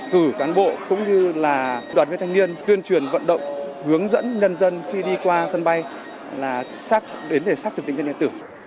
cử cán bộ cũng như là đoàn viên thanh niên tuyên truyền vận động hướng dẫn nhân dân khi đi qua sân bay là đến để xác thực định danh điện tử